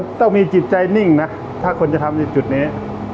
ต้องมีจิตใจนิ่งนะถ้าคนจะทำในจุดนี้